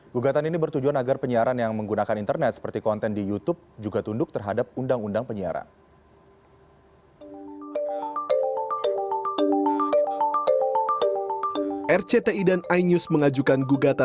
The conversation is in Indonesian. gugatan ini bertujuan agar penyiaran yang menggunakan internet seperti konten di youtube juga tunduk terhadap undang undang penyiaran